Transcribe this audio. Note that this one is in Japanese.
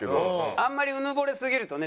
あんまりうぬぼれすぎるとね